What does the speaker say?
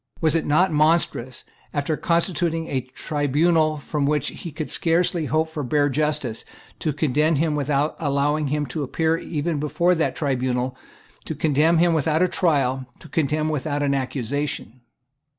Was it not monstrous, after constituting a tribunal from which he could scarcely hope for bare justice, to condemn him without allowing him to appear even before that tribunal, to condemn him without a trial, to condemn him without an accusation?